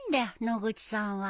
野口さんは。